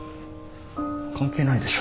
関係ないでしょ。